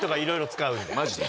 マジで？